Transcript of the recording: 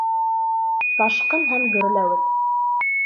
Ташҡын һәм гөрләүек